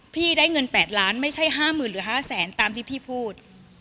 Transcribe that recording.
พี่ได้เงิน๘ล้านไม่ใช่๕๐๐๐หรือ๕แสนตามที่พี่พูด